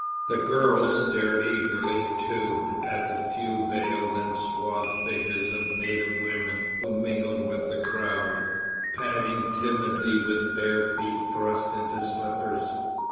The girls stared eagerly, too, at the few veiled and swathed figures of native women who mingled with the crowd, padding timidly with bare feet thrust into slippers.